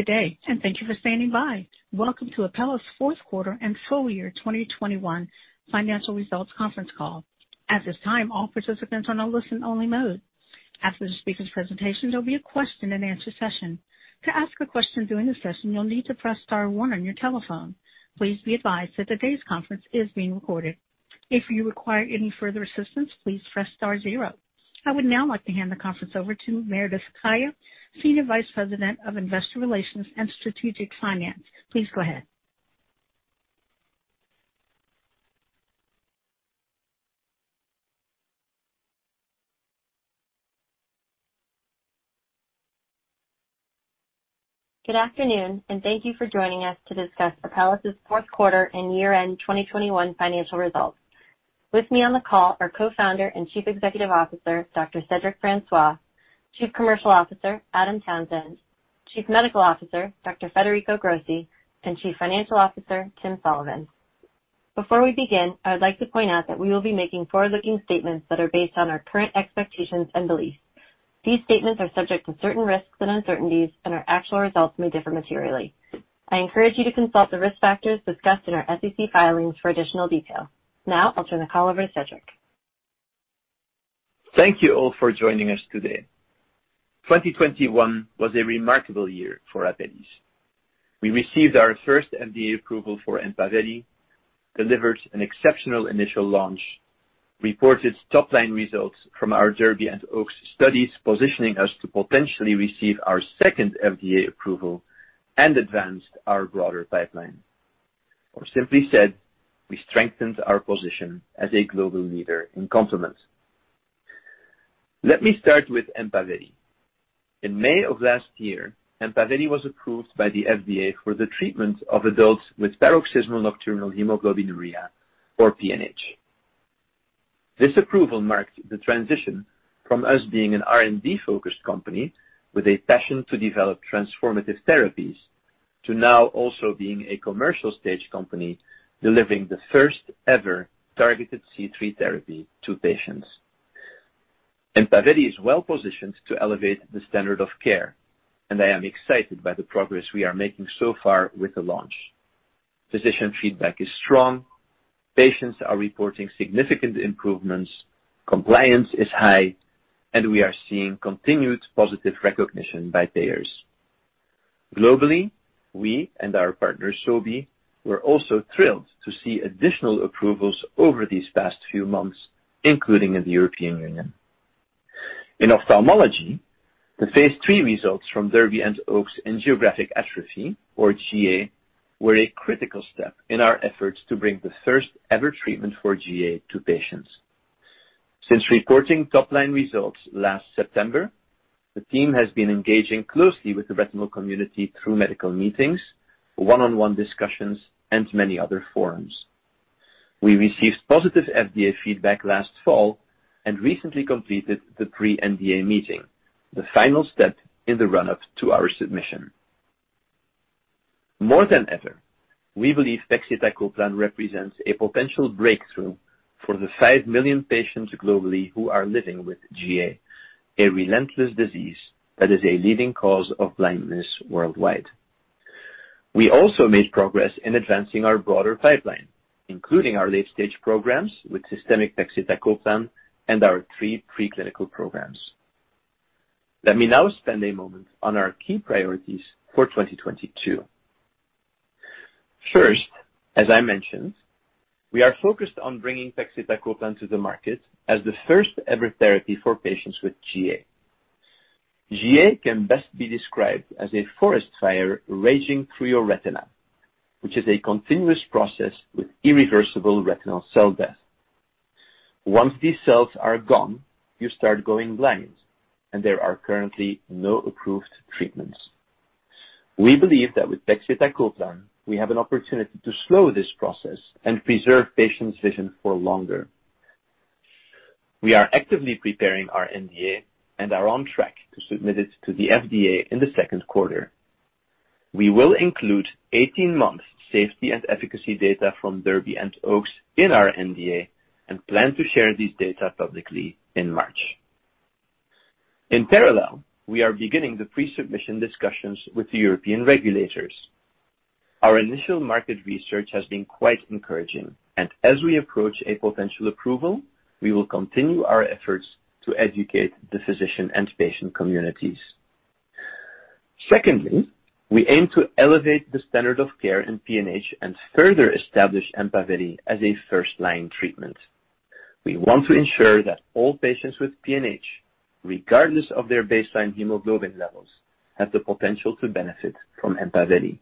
Good day, and thank you for standing by. Welcome to Apellis' fourth quarter and full year 2021 financial results conference call. At this time, all participants are on a listen-only mode. After the speaker's presentation, there'll be a question-and-answer session. To ask a question during the session, you'll need to press star one on your telephone. Please be advised that today's conference is being recorded. If you require any further assistance, please press star zero. I would now like to hand the conference over to Meredith Kaya, Senior Vice President of Investor Relations and Strategic Finance. Please go ahead. Good afternoon, and thank you for joining us to discuss Apellis' fourth quarter and year-end 2021 financial results. With me on the call are Co-founder and Chief Executive Officer, Dr. Cedric Francois, Chief Commercial Officer, Adam Townsend, Chief Medical Officer, Dr. Federico Grossi, and Chief Financial Officer, Timothy Sullivan. Before we begin, I would like to point out that we will be making forward-looking statements that are based on our current expectations and beliefs. These statements are subject to certain risks and uncertainties, and our actual results may differ materially. I encourage you to consult the risk factors discussed in our SEC filings for additional detail. Now, I'll turn the call over to Cedric. Thank you all for joining us today. 2021 was a remarkable year for Apellis. We received our first FDA approval for EMPAVELI, delivered an exceptional initial launch, reported top-line results from our DERBY and OAKS studies, positioning us to potentially receive our second FDA approval and advanced our broader pipeline. Simply said, we strengthened our position as a global leader in complements. Let me start with EMPAVELI. In May of last year, EMPAVELI was approved by the FDA for the treatment of adults with paroxysmal nocturnal hemoglobinuria, or PNH. This approval marked the transition from us being an R&D-focused company with a passion to develop transformative therapies, to now also being a commercial stage company, delivering the first-ever targeted C3 therapy to patients. EMPAVELI is well-positioned to elevate the standard of care, and I am excited by the progress we are making so far with the launch. Physician feedback is strong, patients are reporting significant improvements, compliance is high, and we are seeing continued positive recognition by payers. Globally, we and our partner, Sobi, were also thrilled to see additional approvals over these past few months, including in the European Union. In ophthalmology, the phase III results from DERBY and OAKS in geographic atrophy, or GA, were a critical step in our efforts to bring the first-ever treatment for GA to patients. Since reporting top-line results last September, the team has been engaging closely with the retinal community through medical meetings, one-on-one discussions, and many other forums. We received positive FDA feedback last fall and recently completed the pre-NDA meeting, the final step in the run-up to our submission. More than ever, we believe pegcetacoplan represents a potential breakthrough for the five million patients globally who are living with GA, a relentless disease that is a leading cause of blindness worldwide. We also made progress in advancing our broader pipeline, including our late-stage programs with systemic pegcetacoplan and our three pre-clinical programs. Let me now spend a moment on our key priorities for 2022. First, as I mentioned, we are focused on bringing pegcetacoplan to the market as the first-ever therapy for patients with GA. GA can best be described as a forest fire raging through your retina, which is a continuous process with irreversible retinal cell death. Once these cells are gone, you start going blind, and there are currently no approved treatments. We believe that with pegcetacoplan, we have an opportunity to slow this process and preserve patients' vision for longer. We are actively preparing our NDA and are on track to submit it to the FDA in the second quarter. We will include 18-month safety and efficacy data from DERBY and OAKS in our NDA and plan to share these data publicly in March. In parallel, we are beginning the pre-submission discussions with the European regulators. Our initial market research has been quite encouraging, and as we approach a potential approval, we will continue our efforts to educate the physician and patient communities. Secondly, we aim to elevate the standard of care in PNH and further establish EMPAVELI as a first-line treatment. We want to ensure that all patients with PNH, regardless of their baseline hemoglobin levels, have the potential to benefit from EMPAVELI.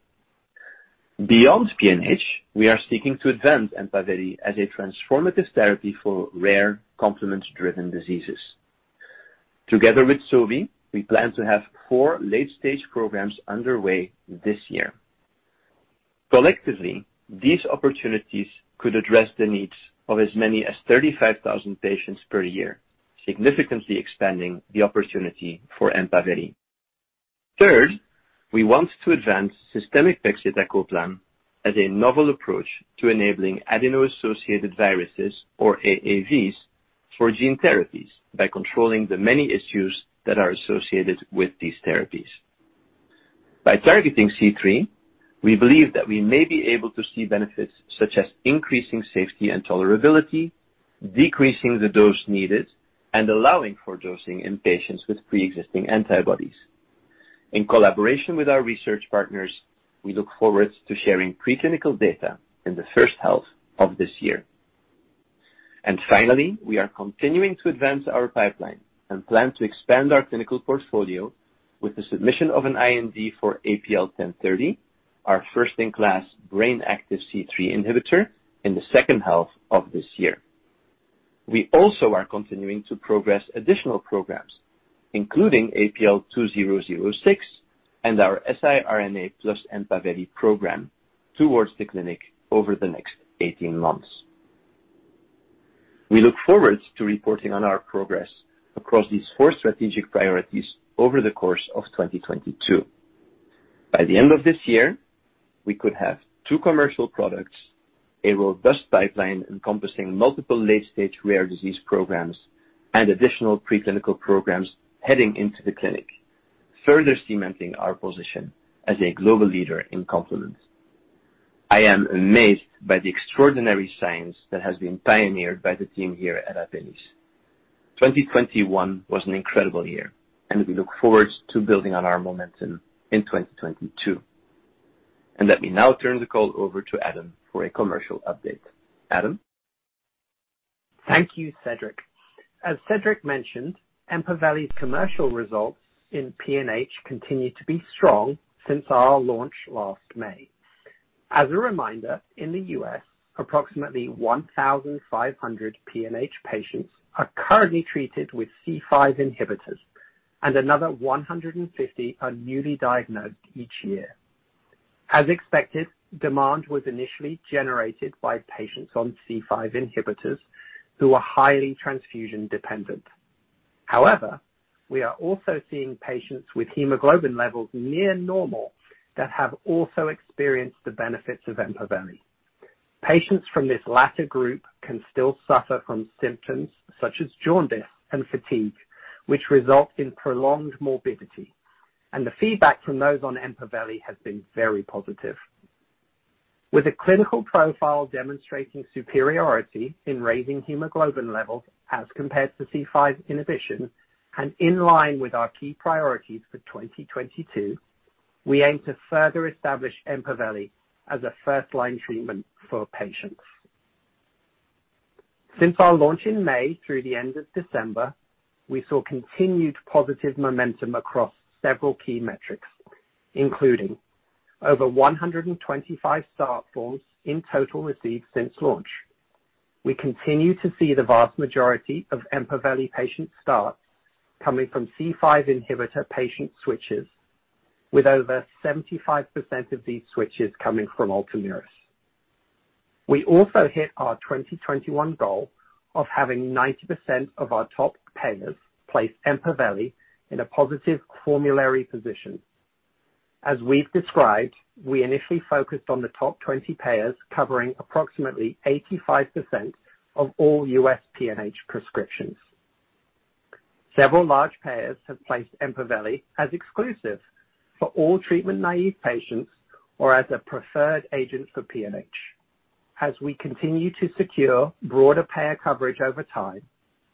Beyond PNH, we are seeking to advance EMPAVELI as a transformative therapy for rare complement-driven diseases. Together with Sobi, we plan to have four late-stage programs underway this year. Collectively, these opportunities could address the needs of as many as 35,000 patients per year, significantly expanding the opportunity for EMPAVELI. Third, we want to advance systemic pegcetacoplan as a novel approach to enabling adeno-associated viruses, or AAVs, for gene therapies by controlling the many issues that are associated with these therapies. By targeting C3, we believe that we may be able to see benefits such as increasing safety and tolerability, decreasing the dose needed, and allowing for dosing in patients with preexisting antibodies. In collaboration with our research partners, we look forward to sharing preclinical data in the first half of this year. Finally, we are continuing to advance our pipeline and plan to expand our clinical portfolio with the submission of an IND for APL-1030, our first-in-class brain-active C3 inhibitor in the second half of this year. We also are continuing to progress additional programs, including APL-2006 and our siRNA plus EMPAVELI program towards the clinic over the next 18 months. We look forward to reporting on our progress across these four strategic priorities over the course of 2022. By the end of this year, we could have two commercial products, a robust pipeline encompassing multiple late-stage rare disease programs, and additional preclinical programs heading into the clinic, further cementing our position as a global leader in complement. I am amazed by the extraordinary science that has been pioneered by the team here at Apellis. 2021 was an incredible year, and we look forward to building on our momentum in 2022. Let me now turn the call over to Adam for a commercial update. Adam? Thank you, Cedric. As Cedric mentioned, EMPAVELI's commercial results in PNH continue to be strong since our launch last May. As a reminder, in the U.S., approximately 1,500 PNH patients are currently treated with C5 inhibitors, and another 150 are newly diagnosed each year. As expected, demand was initially generated by patients on C5 inhibitors who are highly transfusion dependent. However, we are also seeing patients with hemoglobin levels near normal that have also experienced the benefits of EMPAVELI. Patients from this latter group can still suffer from symptoms such as jaundice and fatigue, which result in prolonged morbidity, and the feedback from those on EMPAVELI has been very positive. With a clinical profile demonstrating superiority in raising hemoglobin levels as compared to C5 inhibition and in line with our key priorities for 2022, we aim to further establish EMPAVELI as a first-line treatment for patients. Since our launch in May through the end of December, we saw continued positive momentum across several key metrics, including over 125 start forms in total received since launch. We continue to see the vast majority of EMPAVELI patient starts coming from C5 inhibitor patient switches, with over 75% of these switches coming from Ultomiris. We also hit our 2021 goal of having 90% of our top payers place EMPAVELI in a positive formulary position. As we've described, we initially focused on the top 20 payers, covering approximately 85% of all U.S. PNH prescriptions. Several large payers have placed EMPAVELI as exclusive for all treatment-naive patients or as a preferred agent for PNH. As we continue to secure broader payer coverage over time,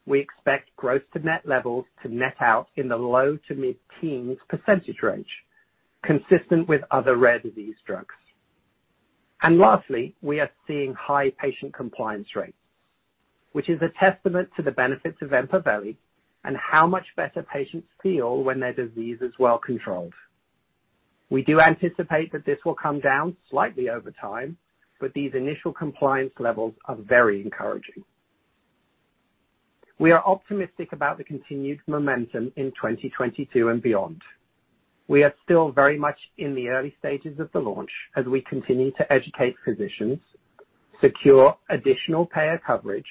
we expect gross to net levels to net out in the low to mid-teens % range, consistent with other rare disease drugs. Lastly, we are seeing high patient compliance rates, which is a testament to the benefits of EMPAVELI and how much better patients feel when their disease is well controlled. We do anticipate that this will come down slightly over time, but these initial compliance levels are very encouraging. We are optimistic about the continued momentum in 2022 and beyond. We are still very much in the early stages of the launch as we continue to educate physicians, secure additional payer coverage,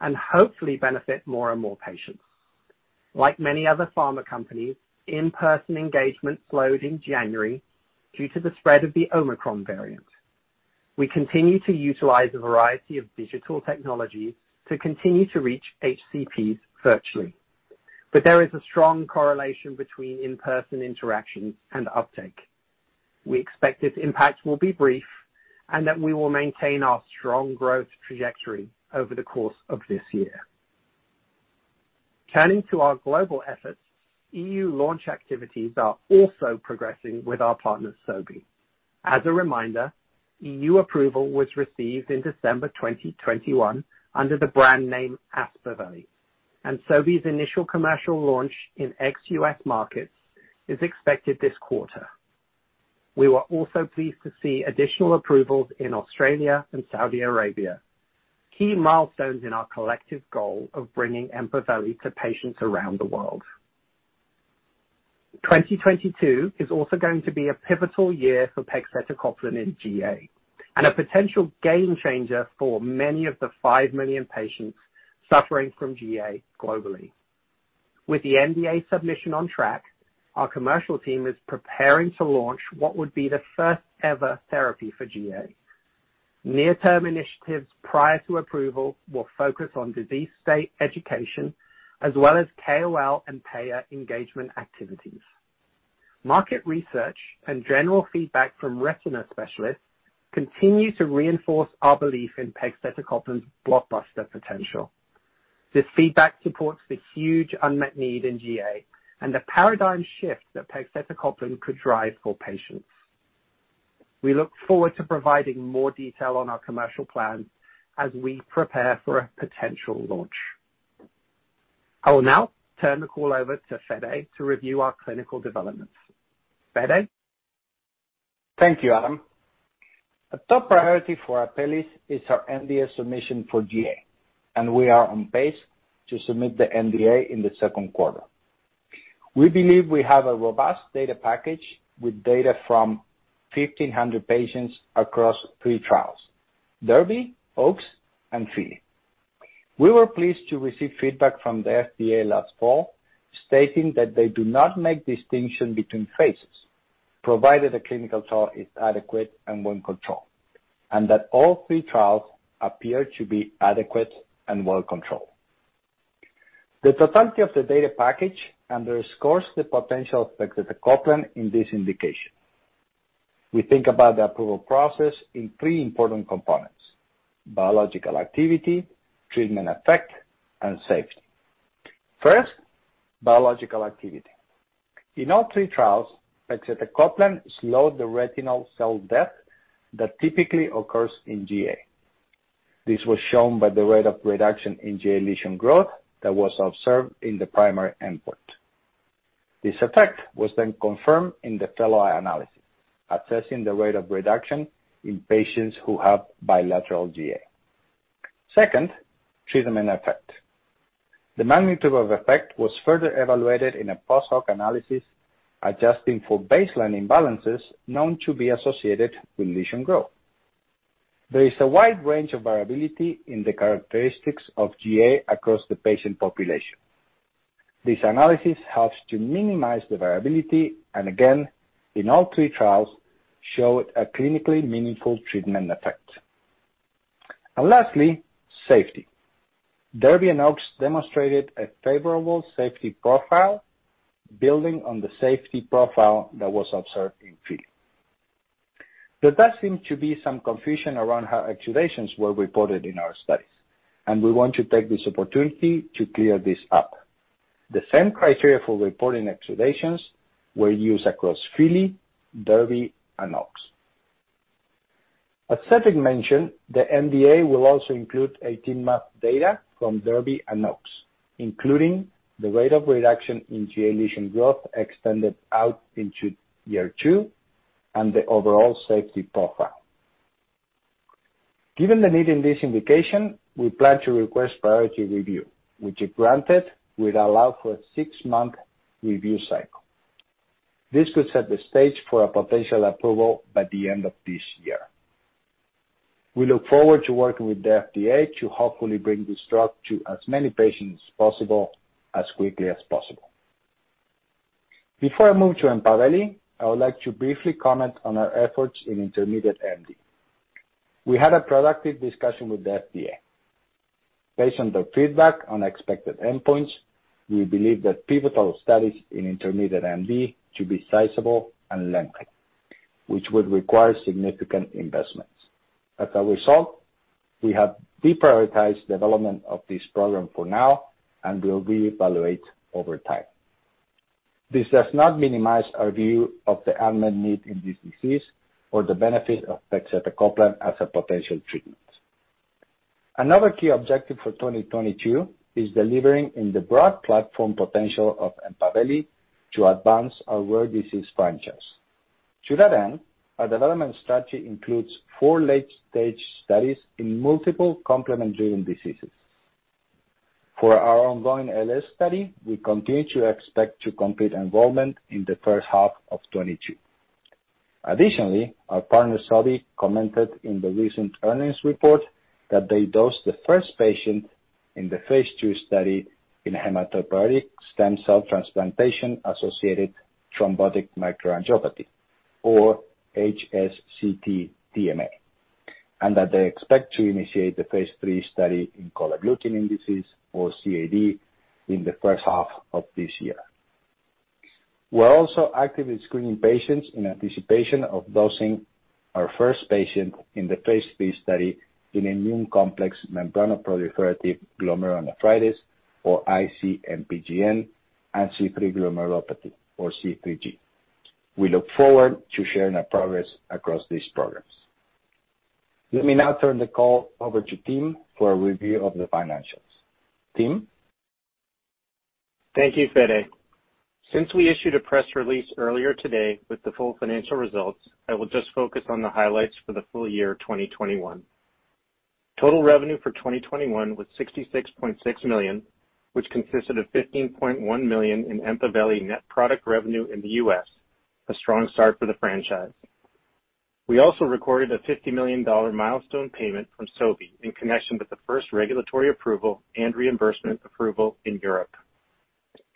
and hopefully benefit more and more patients. Like many other pharma companies, in-person engagement slowed in January due to the spread of the Omicron variant. We continue to utilize a variety of digital technologies to continue to reach HCPs virtually. There is a strong correlation between in-person interactions and uptake. We expect its impact will be brief and that we will maintain our strong growth trajectory over the course of this year. Turning to our global efforts, EU launch activities are also progressing with our partner, Sobi. As a reminder, EU approval was received in December 2021 under the brand name Aspaveli, and Sobi's initial commercial launch in ex-US markets is expected this quarter. We were also pleased to see additional approvals in Australia and Saudi Arabia, key milestones in our collective goal of bringing EMPAVELI to patients around the world. 2022 is also going to be a pivotal year for pegcetacoplan in GA and a potential game changer for many of the five million patients suffering from GA globally. With the NDA submission on track, our commercial team is preparing to launch what would be the first-ever therapy for GA. Near-term initiatives prior to approval will focus on disease state education as well as KOL and payer engagement activities. Market research and general feedback from retina specialists continue to reinforce our belief in pegcetacoplan's blockbuster potential. This feedback supports the huge unmet need in GA and the paradigm shift that pegcetacoplan could drive for patients. We look forward to providing more detail on our commercial plans as we prepare for a potential launch. I will now turn the call over to Fede to review our clinical developments. Fede? Thank you, Adam. A top priority for Apellis is our NDA submission for GA, and we are on pace to submit the NDA in the second quarter. We believe we have a robust data package with data from 1,500 patients across three trials, DERBY, OAKS, and FILLY. We were pleased to receive feedback from the FDA last fall stating that they do not make distinction between phases, provided a clinical trial is adequate and well-controlled, and that all three trials appear to be adequate and well-controlled. The totality of the data package underscores the potential of pegcetacoplan in this indication. We think about the approval process in three important components, biological activity, treatment effect, and safety. First, biological activity. In all three trials, pegcetacoplan slowed the retinal cell death that typically occurs in GA. This was shown by the rate of reduction in GA lesion growth that was observed in the primary endpoint. This effect was then confirmed in the fellow eye analysis, assessing the rate of reduction in patients who have bilateral GA. Second, treatment effect. The magnitude of effect was further evaluated in a post-hoc analysis, adjusting for baseline imbalances known to be associated with lesion growth. There is a wide range of variability in the characteristics of GA across the patient population. This analysis helps to minimize the variability and again, in all three trials, showed a clinically meaningful treatment effect. Lastly, safety. DERBY and OAKS demonstrated a favorable safety profile, building on the safety profile that was observed in FILLY. There does seem to be some confusion around how exudations were reported in our studies, and we want to take this opportunity to clear this up. The same criteria for reporting exudations were used across FILLY, DERBY, and OAKS. As Cedric mentioned, the NDA will also include 18-month data from DERBY and OAKS, including the rate of reduction in GA lesion growth extended out into year two and the overall safety profile. Given the need in this indication, we plan to request priority review, which if granted, would allow for a six-month review cycle. This could set the stage for a potential approval by the end of this year. We look forward to working with the FDA to hopefully bring this drug to as many patients as possible, as quickly as possible. Before I move to EMPAVELI, I would like to briefly comment on our efforts in intermediate AMD. We had a productive discussion with the FDA. Based on their feedback on expected endpoints, we believe that pivotal studies in intermediate AMD to be sizable and lengthy, which would require significant investments. As a result, we have deprioritized development of this program for now and will reevaluate over time. This does not minimize our view of the unmet need in this disease or the benefit of pegcetacoplan as a potential treatment. Another key objective for 2022 is delivering in the broad platform potential of EMPAVELI to advance our rare disease franchise. To that end, our development strategy includes four late-stage studies in multiple complement-driven diseases. For our ongoing LS study, we continue to expect to complete enrollment in the first half of 2022. Additionally, our partner, Sobi, commented in the recent earnings report that they dosed the first patient in the phase II study in hematopoietic stem cell transplantation-associated thrombotic microangiopathy, or HSCT-TMA, and that they expect to initiate the phase III study in cold agglutinin disease, or CAD, in the first half of this year. We're also actively screening patients in anticipation of dosing our first patient in the phase III study in immune complex membranoproliferative glomerulonephritis, or IC-MPGN, and C3 glomerulopathy, or C3G. We look forward to sharing our progress across these programs. Let me now turn the call over to Tim for a review of the financials. Tim? Thank you, Fede. Since we issued a press release earlier today with the full financial results, I will just focus on the highlights for the full year 2021. Total revenue for 2021 was $66.6 million, which consisted of $15.1 million in EMPAVELI net product revenue in the U.S., a strong start for the franchise. We also recorded a $50 million milestone payment from Sobi in connection with the first regulatory approval and reimbursement approval in Europe.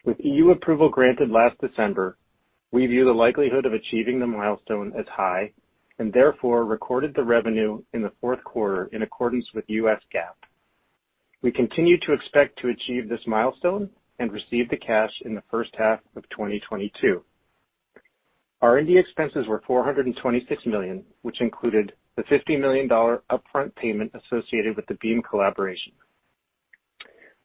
With EU approval granted last December, we view the likelihood of achieving the milestone as high and therefore recorded the revenue in the fourth quarter in accordance with US GAAP. We continue to expect to achieve this milestone and receive the cash in the first half of 2022. Our R&D expenses were $426 million, which included the $50 million upfront payment associated with the Beam collaboration.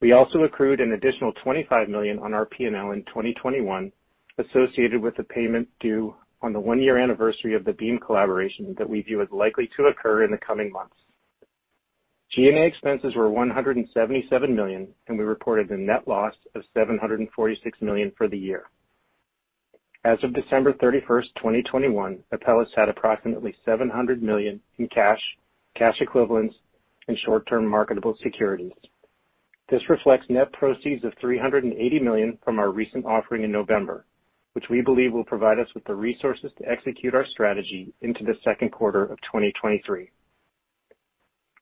We also accrued an additional $25 million on our P&L in 2021 associated with the payment due on the one-year anniversary of the Beam collaboration that we view as likely to occur in the coming months. G&A expenses were $177 million, and we reported a net loss of $746 million for the year. As of December 31st, 2021, Apellis had approximately $700 million in cash equivalents, and short-term marketable securities. This reflects net proceeds of $380 million from our recent offering in November, which we believe will provide us with the resources to execute our strategy into the second quarter of 2023.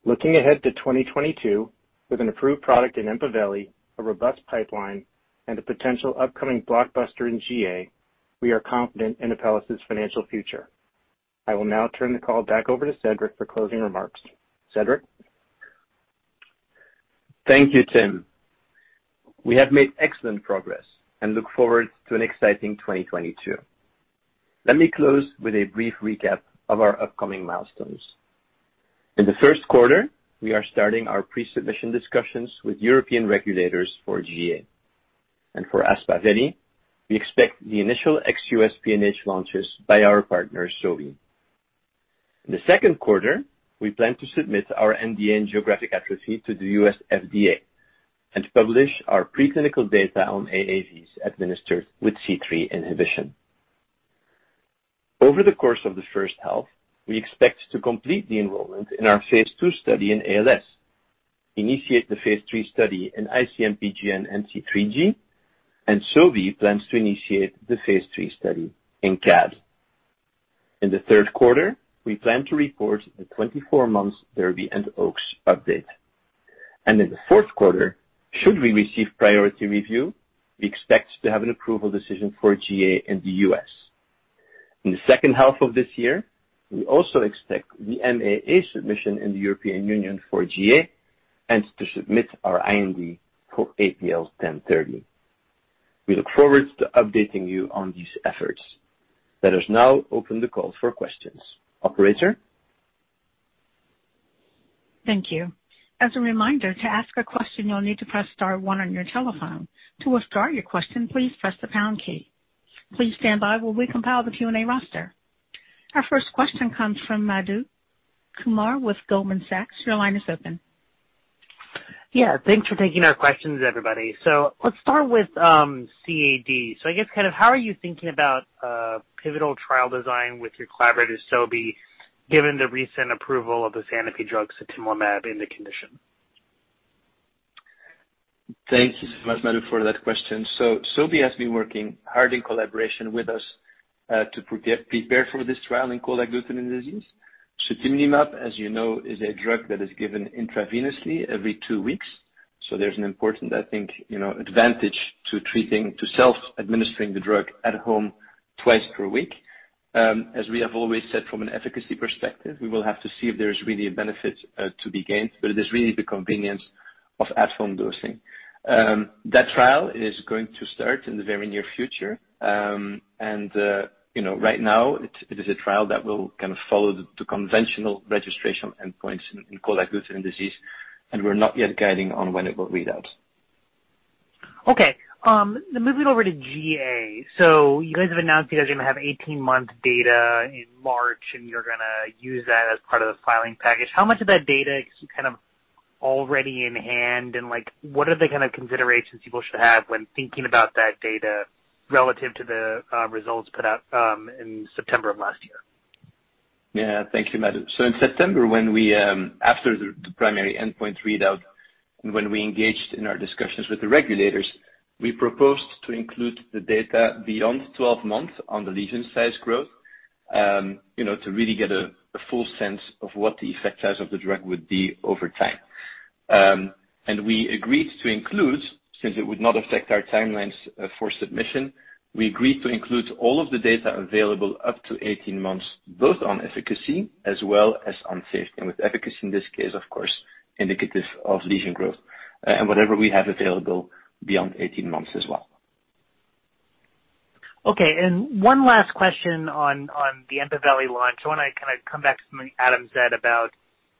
Looking ahead to 2022, with an approved product in EMPAVELI, a robust pipeline, and a potential upcoming blockbuster in GA, we are confident in Apellis' financial future. I will now turn the call back over to Cedric for closing remarks. Cedric? Thank you, Tim. We have made excellent progress and look forward to an exciting 2022. Let me close with a brief recap of our upcoming milestones. In the first quarter, we are starting our pre-submission discussions with European regulators for GA. For Aspaveli, we expect the initial ex-U.S. PNH launches by our partner, Sobi. In the second quarter, we plan to submit our NDA in geographic atrophy to the U.S. FDA and publish our preclinical data on AAVs administered with C3 inhibition. Over the course of the first half, we expect to complete the enrollment in our phase II study in ALS, initiate the phase III study in IC-MPGN and C3G, and Sobi plans to initiate the phase III study in CAD. In the third quarter, we plan to report the 24-month DERBY and OAKS update. In the fourth quarter, should we receive priority review, we expect to have an approval decision for GA in the U.S. In the second half of this year, we also expect the MAA submission in the European Union for GA and to submit our IND for APL-1030. We look forward to updating you on these efforts. Let us now open the call for questions. Operator? Thank you. As a reminder, to ask a question, you'll need to press star one on your telephone. To withdraw your question, please press the pound key. Please stand by while we compile the Q&A roster. Our first question comes from Madhu Kumar with Goldman Sachs. Your line is open. Yeah, thanks for taking our questions, everybody. Let's start with CAD. I guess kind of how are you thinking about pivotal trial design with your collaborator, Sobi, given the recent approval of the Sanofi drug sutimlimab in the condition? Thank you so much, Madhu, for that question. Sobi has been working hard in collaboration with us to prepare for this trial in Cold Agglutinin Disease. Sutimlimab, as you know, is a drug that is given intravenously every two weeks. There's an important, I think, you know, advantage to self-administering the drug at home twice per week. As we have always said from an efficacy perspective, we will have to see if there's really a benefit to be gained, but it is really the convenience of at-home dosing. That trial is going to start in the very near future. Right now it is a trial that will kind of follow the conventional registration endpoints in Cold Agglutinin Disease, and we're not yet guiding on when it will read out. Okay. Moving over to GA. You guys have announced you guys are gonna have 18-month data in March, and you're gonna use that as part of the filing package. How much of that data is kind of already in hand and, like, what are the kind of considerations people should have when thinking about that data relative to the results put out in September of last year? Yeah. Thank you, Madhu. In September, after the primary endpoint readout and when we engaged in our discussions with the regulators, we proposed to include the data beyond 12 months on the lesion size growth, you know, to really get a full sense of what the effect size of the drug would be over time. We agreed to include, since it would not affect our timelines for submission, all of the data available up to 18 months, both on efficacy as well as on safety. With efficacy, in this case, of course, indicative of lesion growth, whatever we have available beyond 18 months as well. Okay. One last question on the EMPAVELI launch. I wanna kinda come back to something Adam said about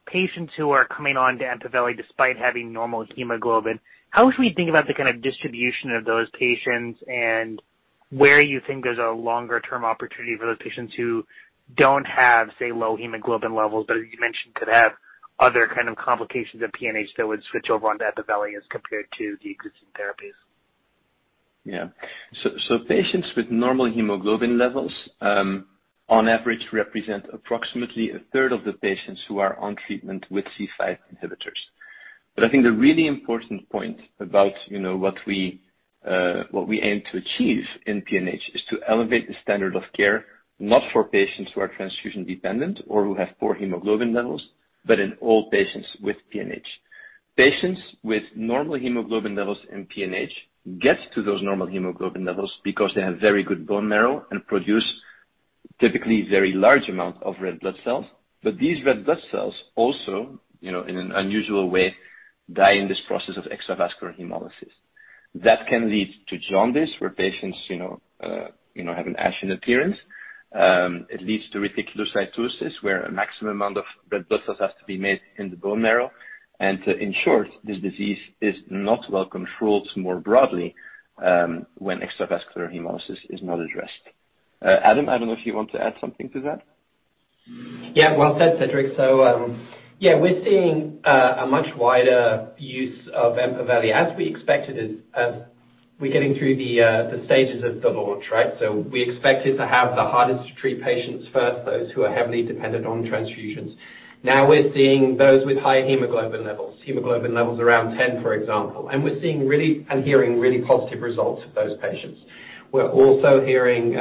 patients who are coming on to EMPAVELI despite having normal hemoglobin. How should we think about the kinda distribution of those patients and where you think there's a longer-term opportunity for those patients who don't have, say, low hemoglobin levels, but as you mentioned, could have other kind of complications of PNH that would switch over onto EMPAVELI as compared to the existing therapies? Patients with normal hemoglobin levels, on average, represent approximately a third of the patients who are on treatment with C5 inhibitors. I think the really important point about, you know, what we aim to achieve in PNH is to elevate the standard of care, not for patients who are transfusion-dependent or who have poor hemoglobin levels, but in all patients with PNH. Patients with normal hemoglobin levels in PNH get to those normal hemoglobin levels because they have very good bone marrow and produce typically very large amounts of red blood cells. These red blood cells also, you know, in an unusual way, die in this process of extravascular hemolysis. That can lead to jaundice, where patients, you know, have an ashen appearance. It leads to reticulocytosis, where a maximum amount of red blood cells has to be made in the bone marrow. In short, this disease is not well controlled more broadly, when extravascular hemolysis is not addressed. Adam, I don't know if you want to add something to that. Yeah. Well said, Cedric. Yeah, we're seeing a much wider use of EMPAVELI as we expected as we're getting through the stages of the launch, right? We expected to have the hardest to treat patients first, those who are heavily dependent on transfusions. Now we're seeing those with higher hemoglobin levels around 10, for example. We're seeing and hearing really positive results of those patients. We're also hearing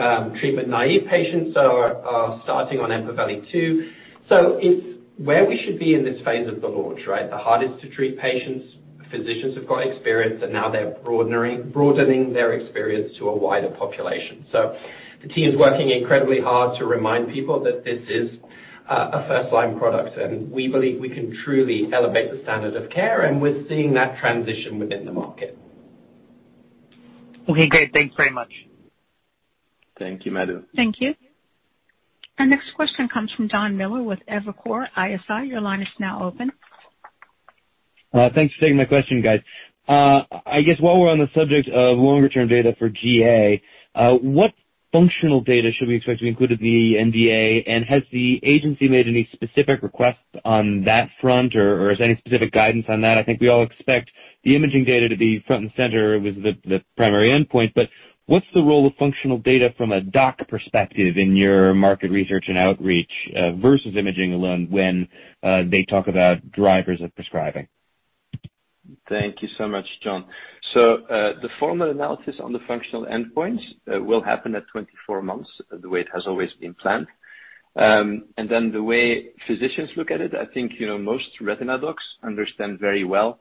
treatment-naive patients are starting on EMPAVELI too. It's where we should be in this phase of the launch, right? The hardest to treat patients, physicians have got experience, and now they're broadening their experience to a wider population. The team is working incredibly hard to remind people that this is a first-line product, and we believe we can truly elevate the standard of care, and we're seeing that transition within the market. Okay, great. Thanks very much. Thank you, Madhu. Thank you. Our next question comes from John Miller with Evercore ISI. Your line is now open. Thanks for taking my question, guys. I guess while we're on the subject of longer-term data for GA, what functional data should we expect to be included in the NDA, and has the agency made any specific requests on that front, or is there any specific guidance on that? I think we all expect the imaging data to be front and center with the primary endpoint, but what's the role of functional data from a doc perspective in your market research and outreach, versus imaging alone when they talk about drivers of prescribing? Thank you so much, John. The formal analysis on the functional endpoints will happen at 24 months, the way it has always been planned. The way physicians look at it, I think, you know, most retina docs understand very well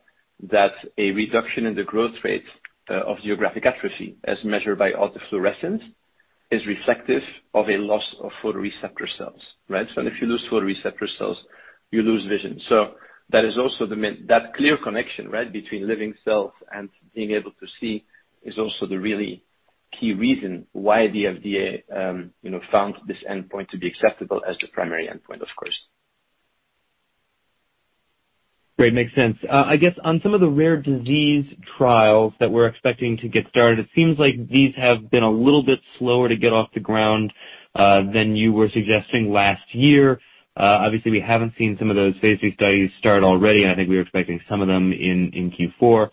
that a reduction in the growth rate of geographic atrophy, as measured by autofluorescence, is reflective of a loss of photoreceptor cells, right? If you lose photoreceptor cells, you lose vision. That clear connection, right, between living cells and being able to see is also the really key reason why the FDA, you know, found this endpoint to be acceptable as the primary endpoint, of course. Great. Makes sense. I guess on some of the rare disease trials that we're expecting to get started, it seems like these have been a little bit slower to get off the ground than you were suggesting last year. Obviously, we haven't seen some of those phase III studies start already. I think we were expecting some of them in Q4.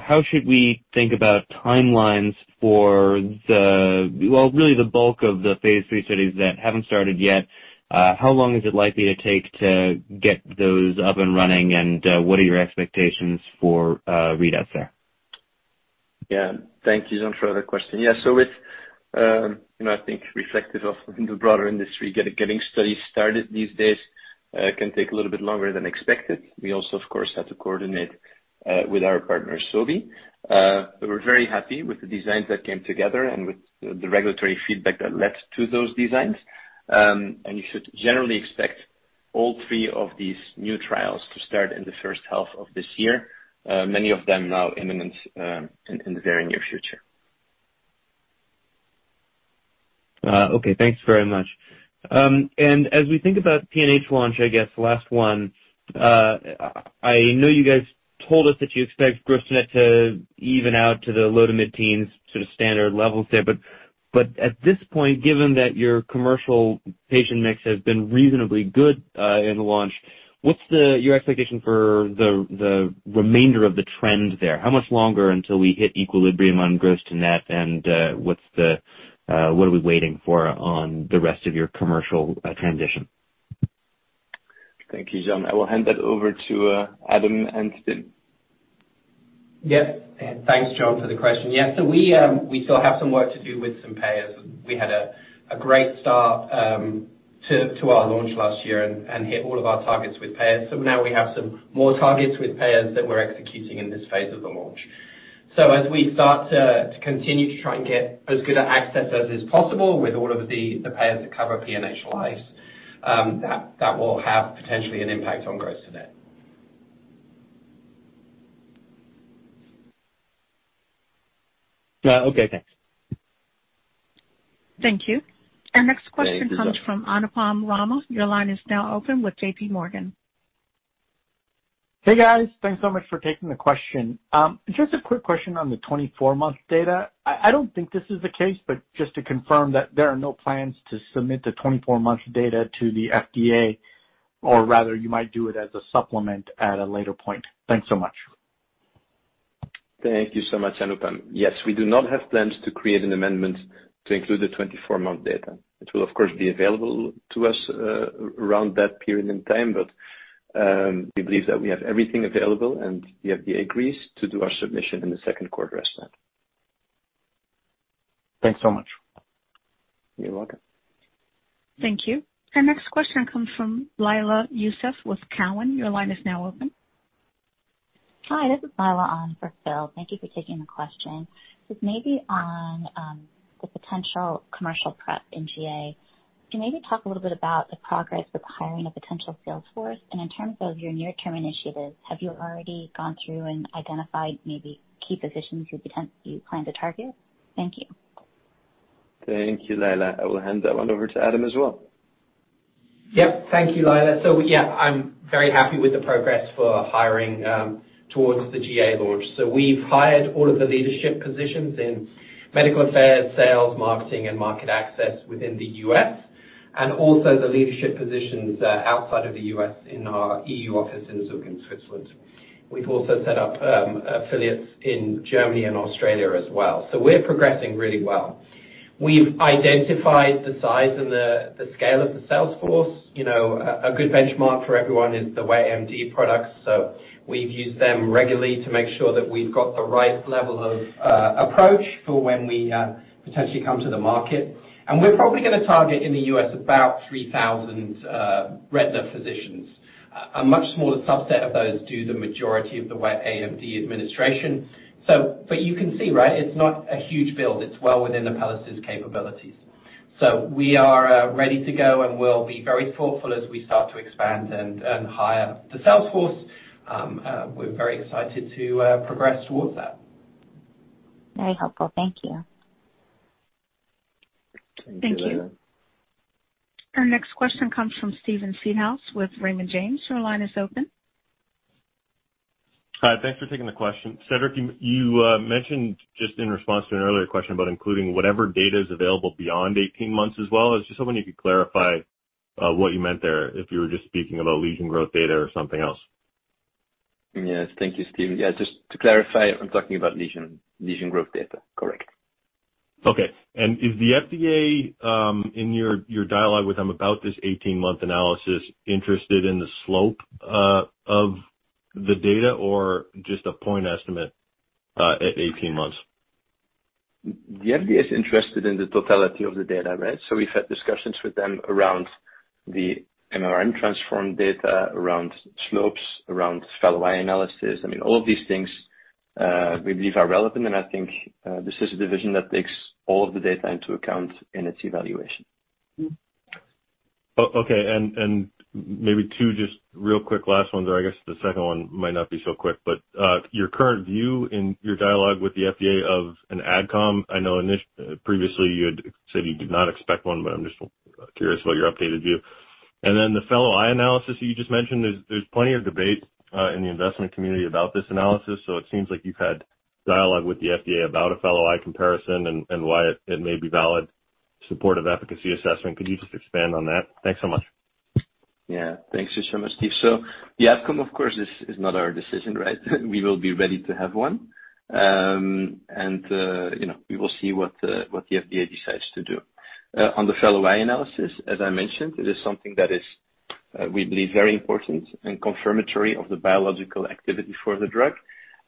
How should we think about timelines for well, really the bulk of the phase III studies that haven't started yet? How long is it likely to take to get those up and running, and what are your expectations for readouts there? Thank you, John, for the question. It's, you know, I think reflective of the broader industry, getting studies started these days can take a little bit longer than expected. We also, of course, had to coordinate with our partner, Sobi. We're very happy with the designs that came together and with the regulatory feedback that led to those designs. You should generally expect all three of these new trials to start in the first half of this year. Many of them now imminent in the very near future. Okay, thanks very much. As we think about PNH launch, I guess last one, I know you guys told us that you expect gross-to-net to even out to the low- to mid-teens sort of standard levels there. But at this point, given that your commercial patient mix has been reasonably good in the launch, what's your expectation for the remainder of the trend there? How much longer until we hit equilibrium on gross-to-net, and what are we waiting for on the rest of your commercial transition? Thank you, John. I will hand that over to Adam and Tim. Yes. Thanks, John, for the question. Yeah. We still have some work to do with some payers. We had a great start to our launch last year and hit all of our targets with payers. Now we have some more targets with payers that we're executing in this phase of the launch. As we start to continue to try and get as good an access as is possible with all of the payers that cover PNH lives, that will have potentially an impact on gross to net. Okay, thanks. Thank you. Thank you, John. Our next question comes from Anupam Rama. Your line is now open with J.P. Morgan. Hey, guys. Thanks so much for taking the question. Just a quick question on the 24-month data. I don't think this is the case, but just to confirm that there are no plans to submit the 24-month data to the FDA, or rather, you might do it as a supplement at a later point. Thanks so much. Thank you so much, Anupam. Yes, we do not have plans to create an amendment to include the 24-month data. It will of course be available to us around that period in time, but we believe that we have everything available and the FDA agrees to do our submission in the second quarter as planned. Thanks so much. You're welcome. Thank you. Our next question comes from Lyla Youssef with Cowen. Your line is now open. Hi, this is Lyla on for Phil. Thank you for taking the question. Just maybe on the potential commercial prep in GA, can you maybe talk a little bit about the progress with hiring a potential sales force? In terms of your near-term initiatives, have you already gone through and identified maybe key physicians you plan to target? Thank you. Thank you, Lyla. I will hand that one over to Adam as well. Yep. Thank you, Lyla. Yeah, I'm very happy with the progress for hiring towards the GA launch. We've hired all of the leadership positions in medical affairs, sales, marketing, and market access within the U.S. and also the leadership positions outside of the U.S. in our EU office in Zug, in Switzerland. We've also set up affiliates in Germany and Australia as well. We're progressing really well. We've identified the size and the scale of the sales force. You know, a good benchmark for everyone is the wet AMD products. We've used them regularly to make sure that we've got the right level of approach for when we potentially come to the market. We're probably gonna target in the U.S. about 3,000 retina physicians. A much smaller subset of those do the majority of the wet AMD administration. You can see, right, it's not a huge build. It's well within Apellis' capabilities. We are ready to go, and we'll be very thoughtful as we start to expand and hire the sales force. We're very excited to progress towards that. Very helpful. Thank you. Thank you, Lyla. Thank you. Our next question comes from Steven Seedhouse with Raymond James. Your line is open. Hi. Thanks for taking the question. Cedric, you mentioned just in response to an earlier question about including whatever data is available beyond 18 months as well. I was just wondering if you could clarify what you meant there, if you were just speaking about lesion growth data or something else. Yes. Thank you, Steven. Yeah, just to clarify, I'm talking about lesion growth data. Correct. Okay. Is the FDA in your dialogue with them about this 18-month analysis interested in the slope of the data or just a point estimate at 18 months? The FDA is interested in the totality of the data, right? We've had discussions with them around the square root transform data, around slopes, around fellow eye analysis. I mean, all of these things, we believe are relevant. I think, this is a division that takes all of the data into account in its evaluation. Okay. Maybe two just real quick last ones, or I guess the second one might not be so quick. Your current view in your dialogue with the FDA of an Ad Com, I know previously you had said you did not expect one, but I'm just curious about your updated view. Then the fellow eye analysis you just mentioned, there's plenty of debate in the investment community about this analysis, so it seems like you've had dialogue with the FDA about a fellow eye comparison and why it may be valid support of efficacy assessment. Could you just expand on that? Thanks so much. Yeah. Thank you so much, Steve. The outcome of course is not our decision, right? We will be ready to have one. You know, we will see what the FDA decides to do. On the fellow eye analysis, as I mentioned, it is something we believe very important and confirmatory of the biological activity for the drug.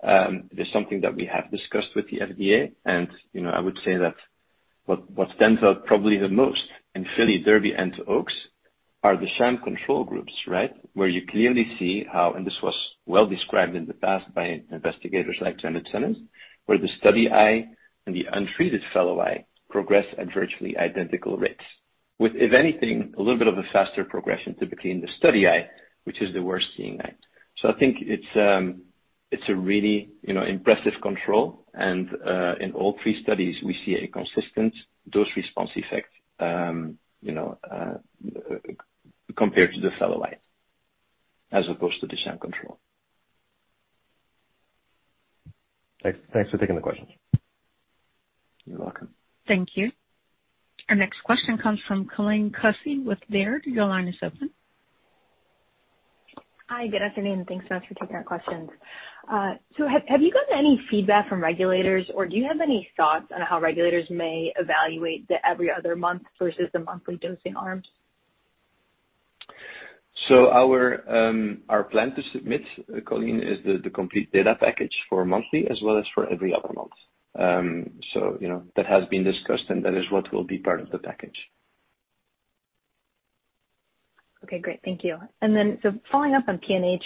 It is something that we have discussed with the FDA and, you know, I would say that what stands out probably the most in FILLY, DERBY, and OAKS are the sham control groups, right? Where you clearly see how, and this was well described in the past by investigators like Janet Sunness, where the study eye and the untreated fellow eye progress at virtually identical rates with, if anything, a little bit of a faster progression typically in the study eye, which is the worst seeing eye. I think it's a really, you know, impressive control and in all three studies we see a consistent dose response effect, you know, compared to the fellow eye as opposed to the sham control. Thanks. Thanks for taking the questions. You're welcome. Thank you. Our next question comes from Colleen Kusy with Baird. Your line is open. Hi. Good afternoon. Thanks so much for taking our questions. Have you gotten any feedback from regulators or do you have any thoughts on how regulators may evaluate the every other month versus the monthly dosing arms? Our plan to submit, Colleen, is the complete data package for monthly as well as for every other month. You know, that has been discussed and that is what will be part of the package. Okay, great. Thank you. Following up on PNH,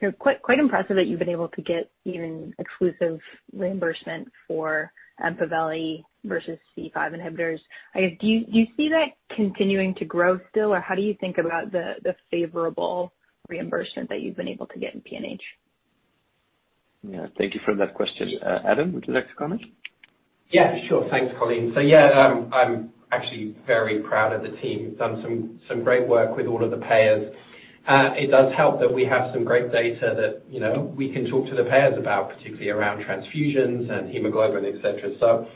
it's quite impressive that you've been able to get even exclusive reimbursement for EMPAVELI versus C5 inhibitors. I guess, do you see that continuing to grow still or how do you think about the favorable reimbursement that you've been able to get in PNH? Yeah. Thank you for that question. Adam, would you like to comment? Yeah, sure. Thanks, Colleen. Yeah, I'm actually very proud of the team who've done some great work with all of the payers. It does help that we have some great data that, you know, we can talk to the payers about, particularly around transfusions and hemoglobin, etc.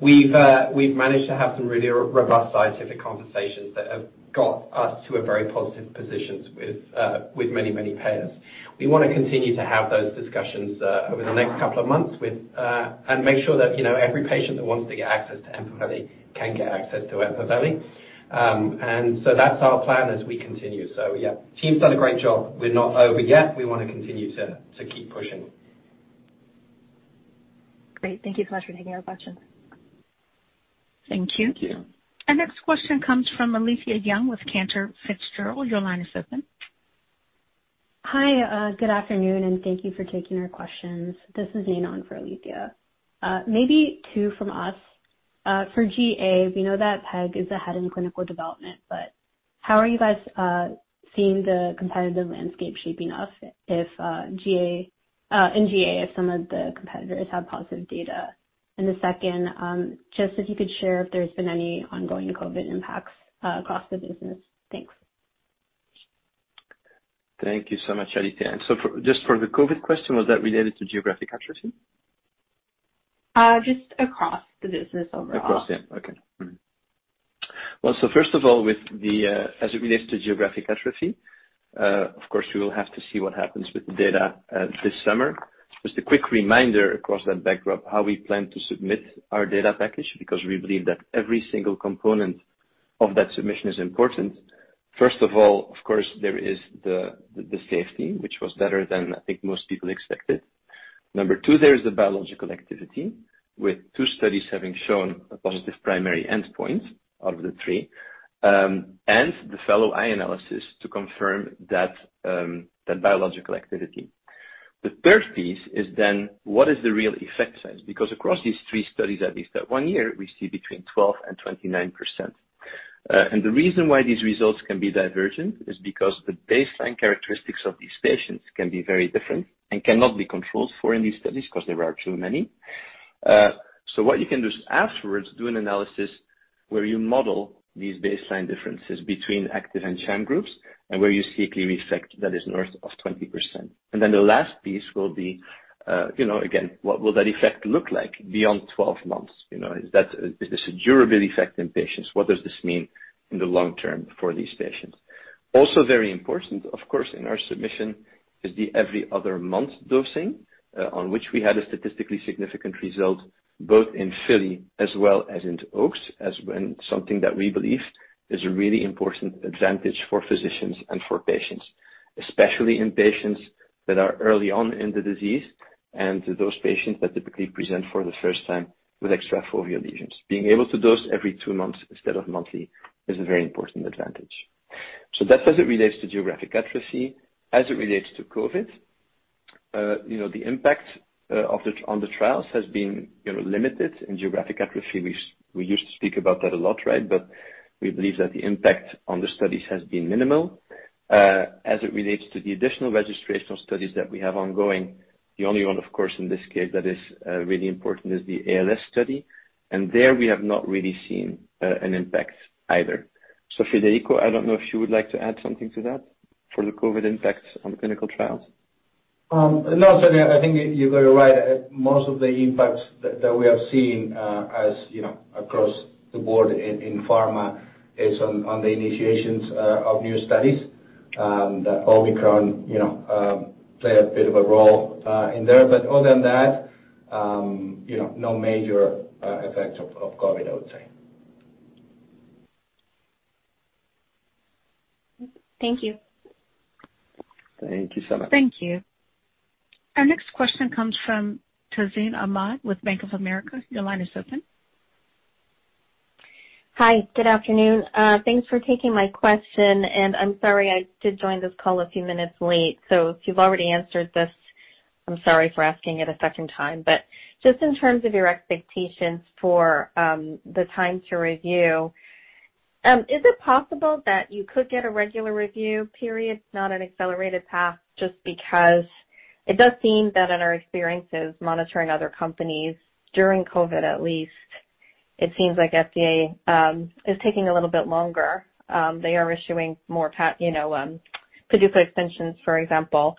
We've managed to have some really robust scientific conversations that have got us to a very positive positions with many payers. We wanna continue to have those discussions over the next couple of months and make sure that, you know, every patient that wants to get access to EMPAVELI can get access to EMPAVELI. That's our plan as we continue. Yeah, team's done a great job. We're not over yet. We wanna continue to keep pushing. Great. Thank you so much for taking our question. Thank you. Thank you. Our next question comes from Alethea Young with Cantor Fitzgerald. Your line is open. Hi, good afternoon, and thank you for taking our questions. This is Anmol Gupta for Alethea. Maybe two from us. For GA, we know that PEG is ahead in clinical development, but how are you guys seeing the competitive landscape shaping up if in GA if some of the competitors have positive data? The second, just if you could share if there's been any ongoing COVID impacts across the business. Thanks. Thank you so much, Alethea. Just for the COVID question, was that related to geographic atrophy? Just across the business overall. Well, first of all, as it relates to geographic atrophy, of course, we will have to see what happens with the data this summer. Just a quick reminder across that backdrop, how we plan to submit our data package because we believe that every single component of that submission is important. First of all, of course, there is the safety, which was better than I think most people expected. Number two, there is the biological activity, with two studies having shown a positive primary endpoint out of the three, and the fellow eye analysis to confirm that biological activity. The third piece is then what is the real effect size? Because across these there studies, at least at one year, we see between 12% and 29%. The reason why these results can be divergent is because the baseline characteristics of these patients can be very different and cannot be controlled for in these studies because there are too many. What you can do is afterwards do an analysis where you model these baseline differences between active and sham groups and where you see a clear effect that is north of 20%. Then the last piece will be, you know, again, what will that effect look like beyond 12 months? You know, is this a durable effect in patients? What does this mean in the long term for these patients? Also very important, of course, in our submission is the every other month dosing, on which we had a statistically significant result both in FILLY as well as in OAKS, as well as something that we believe is a really important advantage for physicians and for patients, especially in patients that are early on in the disease and those patients that typically present for the first time with extrafoveal lesions. Being able to dose every two months instead of monthly is a very important advantage. That's as it relates to geographic atrophy. As it relates to COVID, the impact of the Omicron on the trials has been limited. In geographic atrophy, we used to speak about that a lot, right? We believe that the impact on the studies has been minimal. As it relates to the additional registrational studies that we have ongoing, the only one, of course, in this case that is really important is the ALS study. There we have not really seen an impact either. Federico, I don't know if you would like to add something to that for the COVID impact on clinical trials. No, Ced. I think you got it right. Most of the impacts that we have seen, you know, across the board in pharma is on the initiations of new studies. The Omicron, you know, played a bit of a role in there. But other than that, you know, no major effects of COVID, I would say. Thank you. Thank you so much. Thank you. Our next question comes from Tazeen Ahmad with Bank of America. Your line is open. Hi. Good afternoon. Thanks for taking my question, and I'm sorry, I did join this call a few minutes late. If you've already answered this, I'm sorry for asking it a second time. Just in terms of your expectations for the time to review, is it possible that you could get a regular review period, not an accelerated path, just because it does seem that in our experiences monitoring other companies during COVID at least, it seems like FDA is taking a little bit longer. They are issuing more, you know, PDUFA extensions, for example.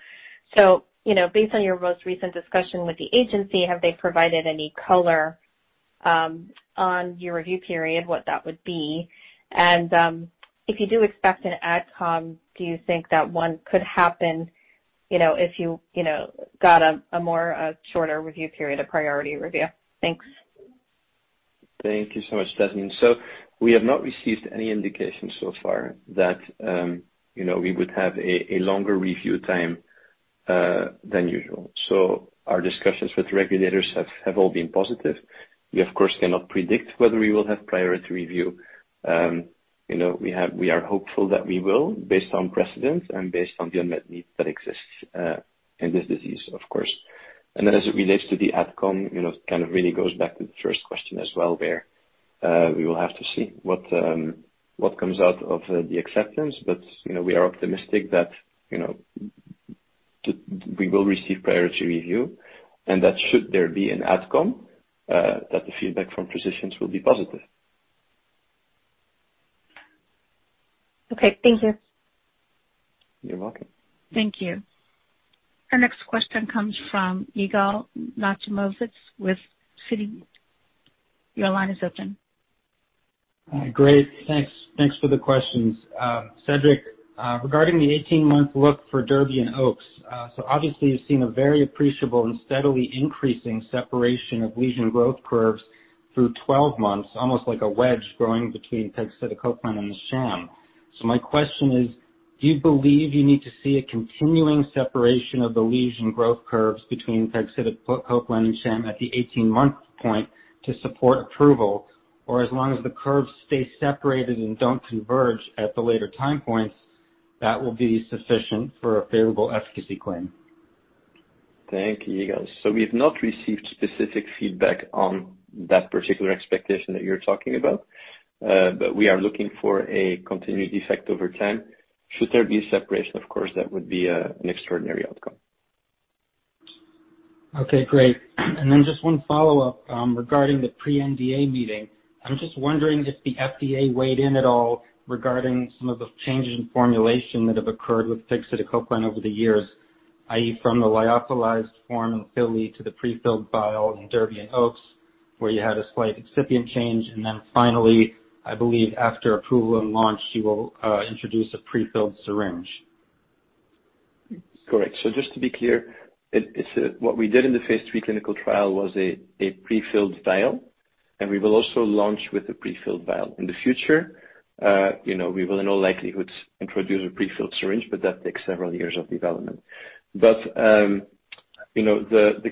You know, based on your most recent discussion with the agency, have they provided any color on your review period, what that would be? If you do expect an Ad Com, do you think that one could happen, you know, if you know, got a more shorter review period, a priority review? Thanks. Thank you so much, Tazeen. We have not received any indication so far that, you know, we would have a longer review time than usual. Our discussions with regulators have all been positive. We of course cannot predict whether we will have priority review. You know, we are hopeful that we will based on precedent and based on the unmet need that exists in this disease, of course. Then as it relates to the ad com, you know, it kind of really goes back to the first question as well where we will have to see what comes out of the acceptance. You know, we are optimistic that, you know, we will receive priority review and that should there be an ad com that the feedback from physicians will be positive. Okay, thank you. You're welcome. Thank you. Our next question comes from Yigal Nochomovitz with Citi. Your line is open. Great. Thanks for the questions. Cedric, regarding the 18-month look for DERBY and OAKS, so obviously, you've seen a very appreciable and steadily increasing separation of lesion growth curves through 12 months, almost like a wedge growing between pegcetacoplan and the sham. My question is: do you believe you need to see a continuing separation of the lesion growth curves between pegcetacoplan and sham at the 18-month point to support approval, or as long as the curves stay separated and don't converge at the later time points, that will be sufficient for a favorable efficacy claim? Thank you, Yigal. We've not received specific feedback on that particular expectation that you're talking about. We are looking for a continuity effect over time. Should there be a separation, of course, that would be an extraordinary outcome. Okay, great. Just one follow-up regarding the pre-NDA meeting. I'm just wondering if the FDA weighed in at all regarding some of the changes in formulation that have occurred with pegcetacoplan over the years, i.e., from the lyophilized form in FILLY to the pre-filled vial in DERBY and OAKS, where you had a slight excipient change. Finally, I believe after approval and launch, you will introduce a pre-filled syringe. Correct. Just to be clear, it's a. What we did in the phase III clinical trial was a pre-filled vial, and we will also launch with a pre-filled vial. In the future, we will in all likelihood introduce a pre-filled syringe, but that takes several years of development. The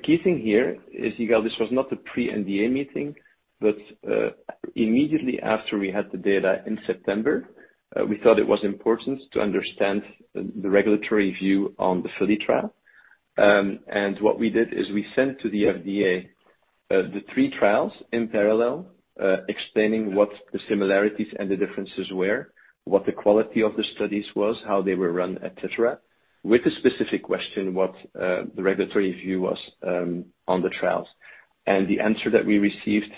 key thing here is, Yigal, this was not a pre-NDA meeting. Immediately after we had the data in September, we thought it was important to understand the regulatory view on the FILLY trial. What we did is we sent to the FDA the three trials in parallel, explaining what the similarities and the differences were, what the quality of the studies was, how they were run, etc, with a specific question, what the regulatory view was, on the trials. The answer that we received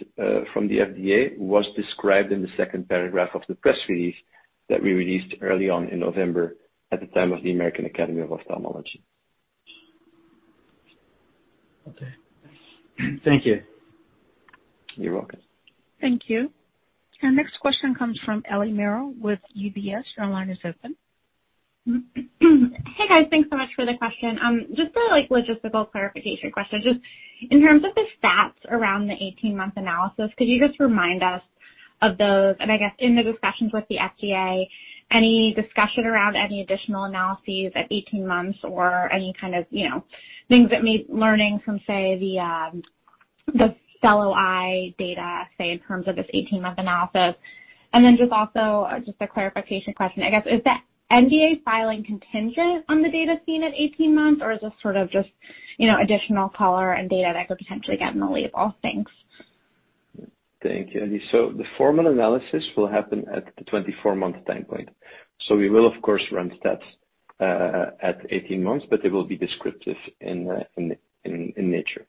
from the FDA was described in the second paragraph of the press release that we released early on in November at the time of the American Academy of Ophthalmology. Okay. Thank you. You're welcome. Thank you. Our next question comes from Ellie Merle with UBS. Your line is open. Hey, guys. Thanks so much for the question. Just for like logistical clarification question, just in terms of the stats around the 18-month analysis, could you just remind us of those? I guess in the discussions with the FDA, any discussion around any additional analyses at 18 months or any kind of, you know, learnings from, say, the fellow eye data, say, in terms of this 18-month analysis. Just a clarification question. I guess, is the NDA filing contingent on the data seen at 18 months, or is this sort of just, you know, additional color and data that could potentially get in the label? Thanks. Thank you, Ellie. The formal analysis will happen at the 24-month time point. We will of course run stats at 18 months, but they will be descriptive in nature.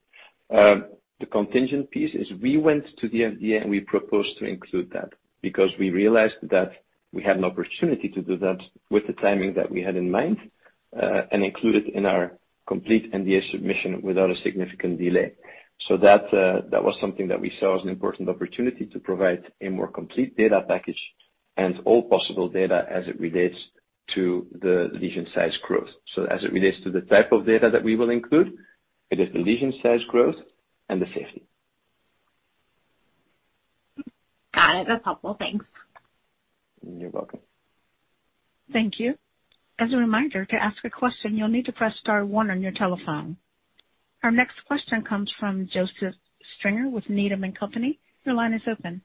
The contingent piece is we went to the FDA, and we proposed to include that because we realized that we had an opportunity to do that with the timing that we had in mind, and include it in our complete NDA submission without a significant delay. That was something that we saw as an important opportunity to provide a more complete data package and all possible data as it relates to the lesion size growth. As it relates to the type of data that we will include, it is the lesion size growth and the safety. Got it. That's helpful. Thanks. You're welcome. Thank you. As a reminder, to ask a question, you'll need to press star one on your telephone. Our next question comes from Joseph Stringer with Needham & Company. Your line is open.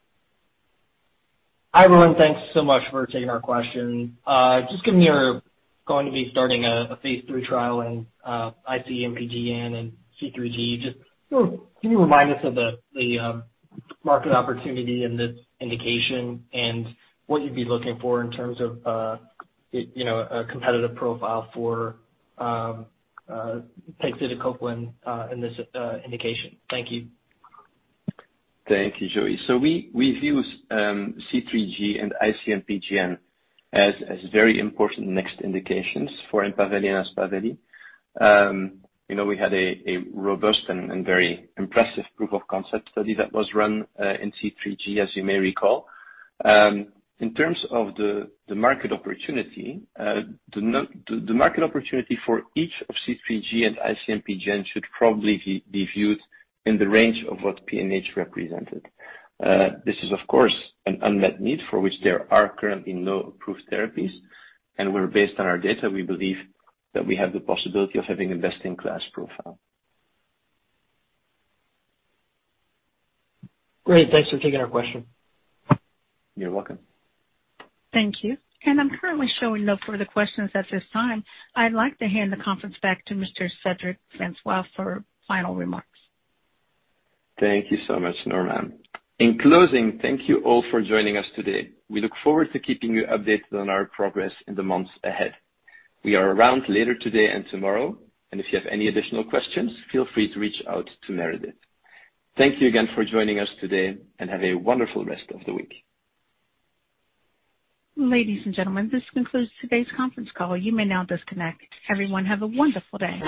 Hi, everyone. Thanks so much for taking our question. Just given you're going to be starting a phase III trial in IC-MPGN and C3G, just sort of can you remind us of the market opportunity and the indication and what you'd be looking for in terms of you know, a competitive profile for pegcetacoplan in this indication? Thank you. Thank you, Joe. We view C3G and IC-MPGN as very important next indications for EMPAVELI and Aspaveli. You know, we had a robust and very impressive proof of concept study that was run in C3G, as you may recall. In terms of the market opportunity, the market opportunity for each of C3G and IC-MPGN should probably be viewed in the range of what PNH represented. This is of course an unmet need for which there are currently no approved therapies. Where based on our data, we believe that we have the possibility of having a best-in-class profile. Great. Thanks for taking our question. You're welcome. Thank you. I'm currently showing no further questions at this time. I'd like to hand the conference back to Mr. Cedric Francois for final remarks. Thank you so much, Norman. In closing, thank you all for joining us today. We look forward to keeping you updated on our progress in the months ahead. We are around later today and tomorrow, and if you have any additional questions, feel free to reach out to Meredith. Thank you again for joining us today, and have a wonderful rest of the week. Ladies and gentlemen, this concludes today's conference call. You may now disconnect. Everyone, have a wonderful day.